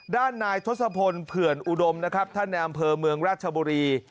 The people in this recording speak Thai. ด้านนายทศพลเผื่อนอุดมนะครับท่านในอำเภอเมืองราชบุรี